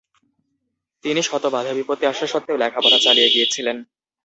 তিনি শত বাধাবিপত্তি আসা সত্ত্বেও লেখাপড়া চালিয়ে গিয়েছিলেন।